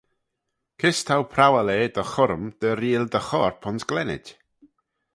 Kys t'ou prowal eh dty churrym dy reayll dty chorp ayns glennid?